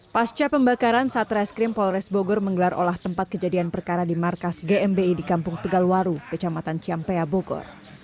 pasca pembakaran satreskrim polres bogor menggelar olah tempat kejadian perkara di markas gmi di kampung tegalwaru kecamatan ciampea bogor